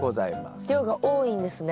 量が多いんですね。